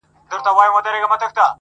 پکښی پورته به د خپل بلال آذان سي؛